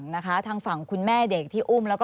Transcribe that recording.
ควิทยาลัยเชียร์สวัสดีครับ